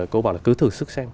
cô bảo là cứ thử sức xem